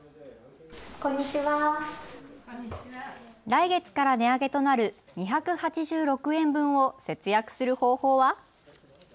来月から値上げとなる２８６円分を節約する方法は？